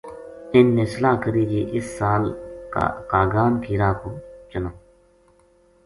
اِنھ نے صلاح کری جے اس سال کاگان کا راہ پو چلاں